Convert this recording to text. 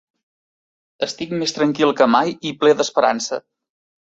Estic més tranquil que mai i ple d'esperança.